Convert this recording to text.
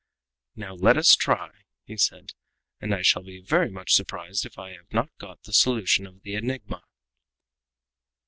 "Now let us try," he said; "and I shall be very much surprised if I have not got the solution of the enigma!"